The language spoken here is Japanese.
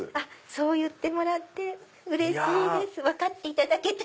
そう言ってもらってうれしいです分かっていただけて。